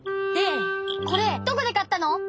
でこれどこでかったの！